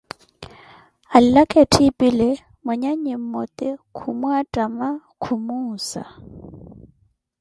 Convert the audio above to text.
Alilaka etthipile, mwanyannyi mmote khumwatama, khumuuza.